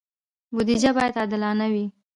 بودجه باید عادلانه وي